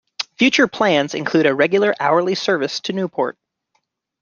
Future plans include a regular hourly service to Newport.